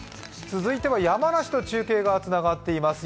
続いては山梨と中継がつながっています。